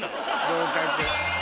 合格。